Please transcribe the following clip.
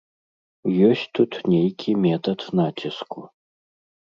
Ёсць тут нейкі метад націску.